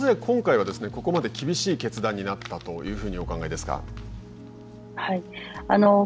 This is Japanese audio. さん、なぜ今回はここまで厳しい決断になったというふうにお考えですか。